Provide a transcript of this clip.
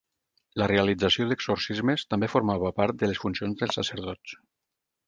La realització d'exorcismes també formava part de les funcions dels sacerdots.